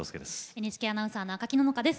ＮＨＫアナウンサーの赤木野々花です。